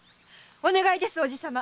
お願いです叔父さま。